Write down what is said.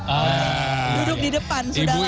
duduk di depan sudah lama